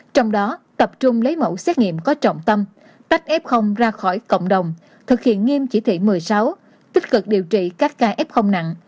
trong đó tập trung lấy mẫu xét nghiệm có trọng tâm tách f ra khỏi cộng đồng thực hiện nghiêm chỉ thị một mươi sáu tích cực điều trị các ca f nặng